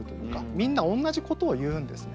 みんなおんなじことを言うんですね。